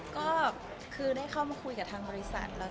ก็คือได้เข้ามาคุยกับทางบริษัทแล้ว